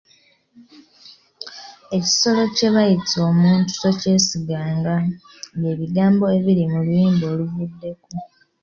Ekisolo kye bayita omuntu tokyesiganga, by'ebigambo ebiri mu luyimba oluvuddeko.